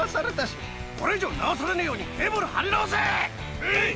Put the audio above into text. はい！